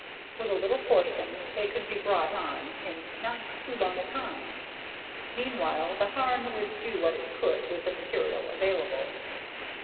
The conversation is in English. With a little forcing, they could be brought on in not too long a time. Meanwhile, the Harn would do what it could with the material available.